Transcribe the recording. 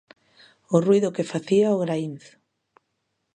O ruído que facía o graínzo.